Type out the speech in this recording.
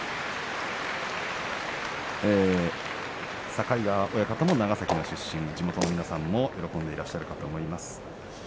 境川親方も長崎出身、地元の皆さんも喜んでいると思います。